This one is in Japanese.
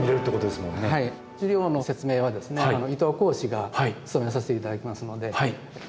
資料の説明はですね伊藤講師が務めさせて頂きますので。